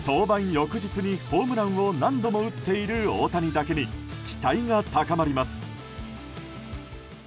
翌日にホームランを何度も打っている大谷だけに期待が高まります。